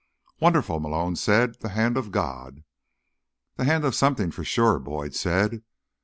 "Wonderful," Malone said. "The hand of God." "The hand of something, for sure," Boyd said.